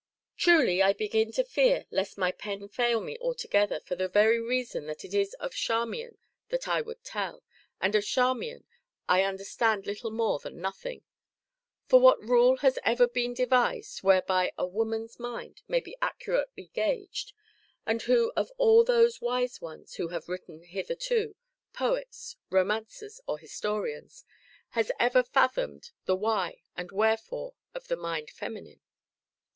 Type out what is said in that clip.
Truly, I begin to fear lest my pen fail me altogether for the very reason that it is of Charmian that I would tell, and of Charmian I understand little more than nothing; for what rule has ever been devised whereby a woman's mind may be accurately gauged, and who of all those wise ones who have written hitherto poets, romancers, or historians has ever fathomed the why and wherefore of the Mind Feminine?